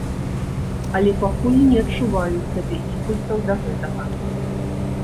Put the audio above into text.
Але пакуль не адчуваю ў сабе імпульсаў да гэтага.